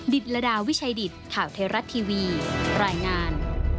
ดิตรดาวิชัยดิตข่าวเทราะต์ทีวีรายงาน